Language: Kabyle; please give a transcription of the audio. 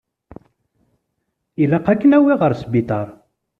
Ilaq ad k-nawi ɣer sbiṭar.